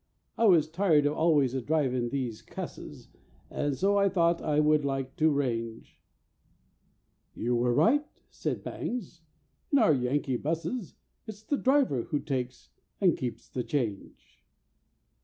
I was tired of always a drivin' these cusses, And so I thought I would like to range"—— "You were right," said Bangs. "In our Yankee 'busses It's the driver who takes (and keeps) the change!"